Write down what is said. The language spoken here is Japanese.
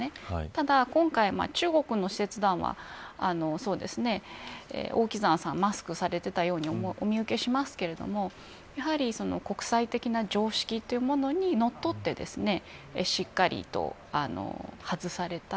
ただ今回、中国の使節団はマスクをされていたようにお見受けしますけれどもやはり国際的な常識というものにのっとってしっかりと外された。